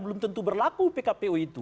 belum tentu berlaku pkp u itu